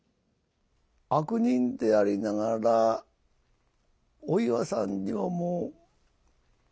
悪人でありながらお岩さんにももう。